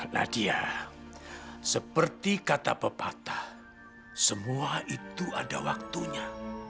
nadia seperti kata pepatah semua itu ada waktunya